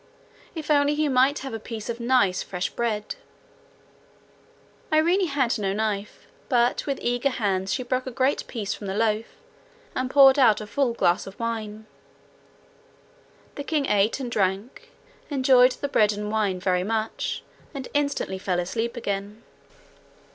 If only he might have a piece of nice fresh bread! Irene had no knife, but with eager hands she broke a great piece from the loaf, and poured out a full glass of wine. The king ate and drank, enjoyed the bread and the wine much, and instantly fell asleep again.